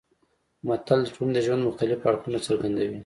متل د ټولنې د ژوند مختلف اړخونه څرګندوي